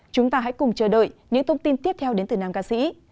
chúng ta hãy cùng chờ đợi những thông tin tiếp theo đến từ nam ca sĩ